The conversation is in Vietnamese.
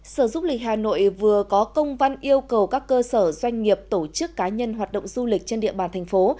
sở du lịch hà nội vừa có công văn yêu cầu các cơ sở doanh nghiệp tổ chức cá nhân hoạt động du lịch trên địa bàn thành phố